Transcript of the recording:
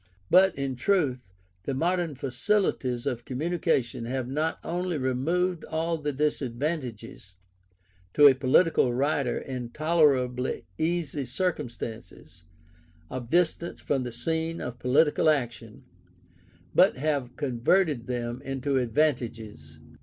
But, in truth, the modern facilities of communication have not only removed all the disadvantages, to a political writer in tolerably easy circumstances, of distance from the scene of political action, but have converted them into advantages.